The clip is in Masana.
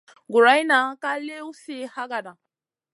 Guroyna ka liw sih hagada.